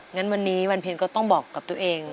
งั้นวันนี้วันเพลงก็ต้องบอกกับตัวเอง